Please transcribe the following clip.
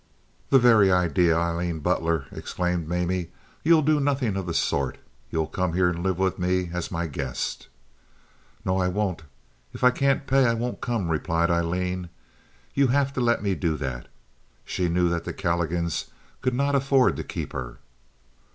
"The very idea, Aileen Butler!" exclaimed Mamie. "You'll do nothing of the sort. You'll come here and live with me as my guest." "No, I won't! If I can't pay I won't come," replied Aileen. "You'll have to let me do that." She knew that the Calligans could not afford to keep her.